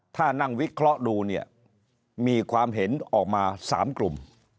ถ้านั่งวิเคราะห์ดูเนี่ยมีความเห็นออกมา๓กลุ่ม